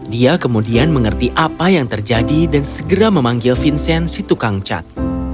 dia kemudian mengerti apa yang terjadi dan segera memanggil vincent si tukang cat